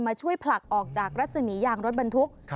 ช่วยผลักออกจากรัศมียางรถบรรทุก